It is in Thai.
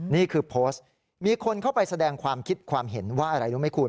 นี่คือโพสต์มีคนเข้าไปแสดงความคิดความเห็นว่าอะไรรู้ไหมคุณ